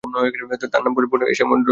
তার পূর্ণ নাম হল এশা ধর্মেন্দ্র দেওল।